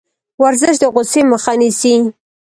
ورزش د غوسې مخه نیسي.